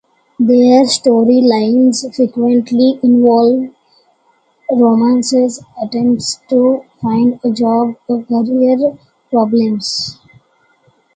Their storylines frequently involved romances, attempts to find a job, career problems.